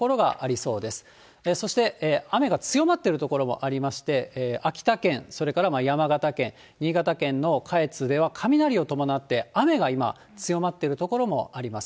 そして雨が強まってる所もありまして、秋田県、それから山形県、新潟県の下越では、雷を伴って、雨が今、強まっている所もあります。